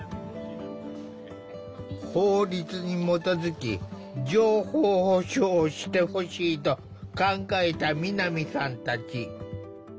法律に基づき情報保障をしてほしいと考えた南さんたち。